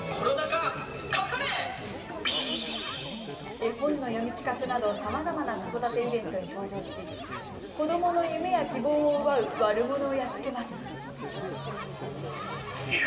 絵本の読み聞かせなどさまざまな子育てイベントに登場し、子どもの夢や希望を奪う悪者をやっつけます。